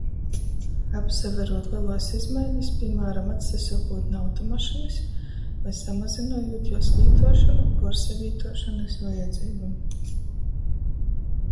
Apsaverūt "leluos" izmainis, pīmāram, atsasokūt nu automašynys voi samazynojūt juos lītuošonu puorsavītuošonys vajadzeibom.